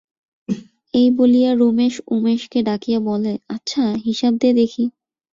এই বলিয়া রমেশ উমেশকে ডাকিয়া বলে, আচ্ছা, হিসাব দে দেখি।